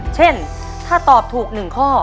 เช่นถ้าตอบถูก๑ข้อ